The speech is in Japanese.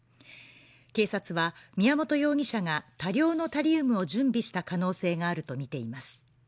警察は宮本容疑者が多量のタリウムを準備した可能性があるとみています。